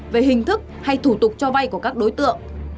về hình thức hay thủ tục cho vay của các đối tượng